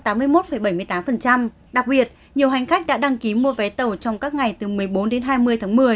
đặc biệt nhiều hành khách đã đăng ký mua vé tàu trong các ngày từ một mươi bốn đến hai mươi tháng một mươi